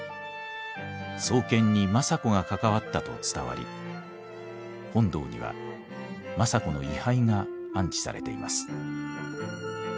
創建に政子が関わったと伝わり本堂には政子の位牌が安置されています。